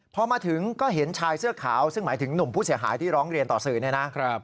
พอมาถึงก็เห็นชายเสื้อขาวซึ่งหมายถึงหนุ่มผู้เสียหายที่ร้องเรียนต่อสื่อเนี่ยนะ